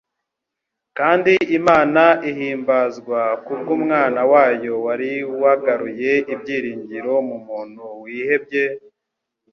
kandi Imana ihimbazwa ku bw'Umwana wayo wari wagaruye ibyiringiro mu muntu wihebye,